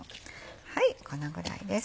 このぐらいです